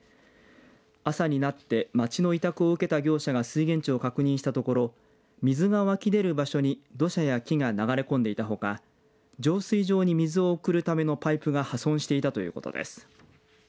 朝になって町の委託を受けた業者が水源地を確認したところ水が湧き出る場所に土砂や木が流れ込んでいたほか浄水場に水を送るためのパイプが破損していたということです。